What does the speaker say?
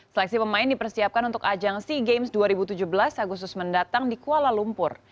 seleksi pemain dipersiapkan untuk ajang sea games dua ribu tujuh belas agustus mendatang di kuala lumpur